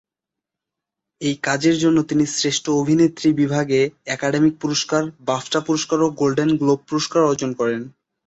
এই কাজের জন্য তিনি শ্রেষ্ঠ অভিনেত্রী বিভাগে একাডেমি পুরস্কার, বাফটা পুরস্কার ও গোল্ডেন গ্লোব পুরস্কার অর্জন করেন।